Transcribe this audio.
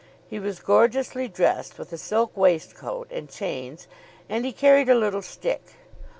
He was gorgeously dressed, with a silk waistcoat and chains, and he carried a little stick.